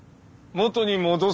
元に戻す？